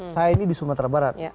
saya ini di sumatera barat